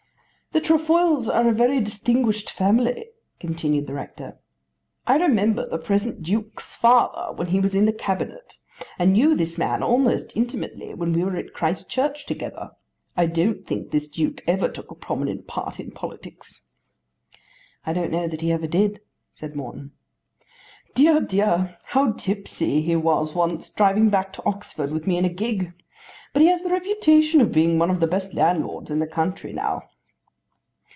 "The Trefoils are a very distinguished family," continued the rector. "I remember the present Duke's father when he was in the cabinet, and knew this man almost intimately when we were at Christchurch together. I don't think this Duke ever took a prominent part in politics." "I don't know that he ever did," said Morton. "Dear, dear, how tipsy he was once driving back to Oxford with me in a gig. But he has the reputation of being one of the best landlords in the country now."